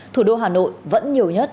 thủ đô hà nội vẫn nhiều nhất